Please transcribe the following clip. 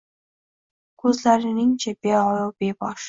Ko’zlaring-chi, beayov — bebosh.